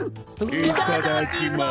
いただきます！